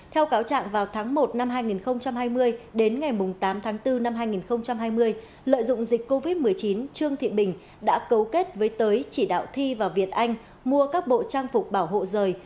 theo cáo trạng vào tháng một năm hai nghìn hai mươi đến ngày tám tháng bốn năm hai nghìn hai mươi lợi dụng dịch covid một mươi chín trương thị bình đã cấu kết với tới chỉ đạo thi và việt anh mua các bộ trang phục bảo hộ rời